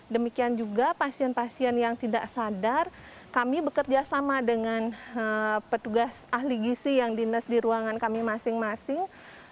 demikian juga pasien pasien yang tidak sadar kami bekerja sama dengan petugas ahli gisi yang dinas di ruangan kami masing masing